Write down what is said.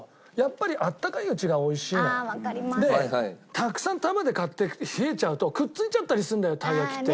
たくさん束で買って冷えちゃうとくっついちゃったりするんだよたい焼きって。